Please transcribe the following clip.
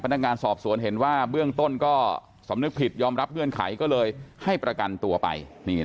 นักงานสอบสวนเห็นว่าเบื้องต้นก็สำนึกผิดยอมรับเงื่อนไขก็เลยให้ประกันตัวไป